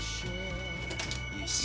よし。